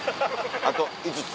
あと５つ？